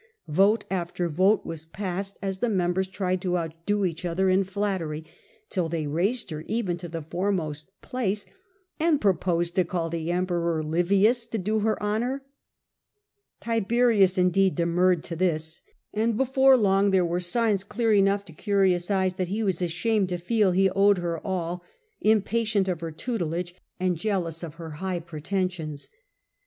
Vote after vote was passed as the members tried to outdo each other in their flattery, till they raised her even to the foremost place, and proposed to call the Em peror Livius to do her honour. Tiberius, in Tiberius deed, demurred to this ; and before long there showed jea ^,,.,, lousy of the were signs clear enough to curious eyes that he honour paid was ashamed to feel he owed her all, impatient Augusu. of her tutelage, and jealous of her high pretensions.